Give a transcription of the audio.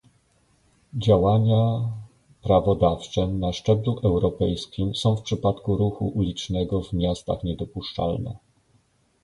Działania prawodawcze na szczeblu europejskim są w przypadku ruchu ulicznego w miastach niedopuszczalne